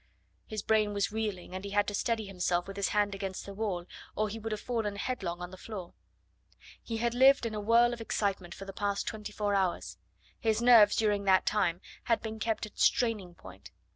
His brain was reeling, and he had to steady himself with his hand against the wall or he would have fallen headlong on the floor. He had lived in a whirl of excitement for the past twenty four hours; his nerves during that time had been kept at straining point.